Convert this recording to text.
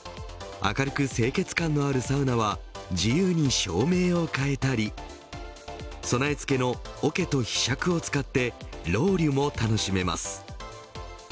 明るく清潔感のあるサウナは自由に照明を変えたり備え付けのおけとひしゃくを使ってロウリュも楽しめます。